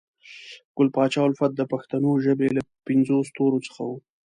ګل پاچا الفت د پښنو ژبې له پنځو ستورو څخه وو